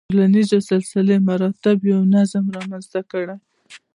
د ټولنیز سلسله مراتبو یو نظام رامنځته کړ.